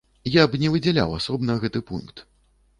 Я б не выдзяляў асобна гэты пункт.